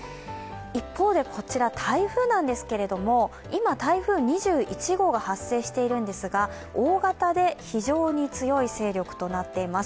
一方でこちら、台風なんですけれども今、台風２１号が発生しているんですが、大型で非常に強い勢力となっています。